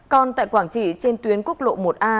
còn tại quảng trị trên tuyến quốc lộ một a